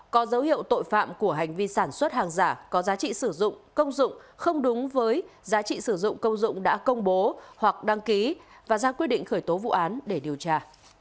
có dấu hiệu tội phạm của hành vi sản xuất hàng giả có giá trị sử dụng công dụng không đúng với giá trị sử dụng công dụng đã công bố hoặc đăng ký và ra quyết định khởi tố vụ án để điều tra